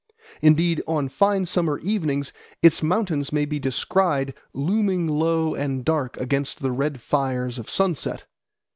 Indeed, on fine summer evenings its mountains may be descried looming low and dark against the red fires of sunset.